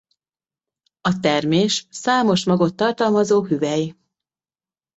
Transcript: A termés számos magot tartalmazó hüvely.